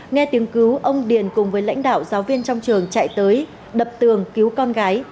nghe tiếng cứu ông điền cùng với lãnh đạo giáo viên trong trường chạy tới đập tường cứu con gái